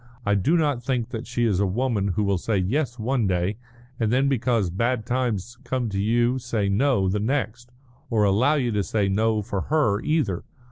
I do not think that she is a woman who will say 'yes' one day, and then because bad times come to you say 'no' the next, or allow you to say 'no' for her, either.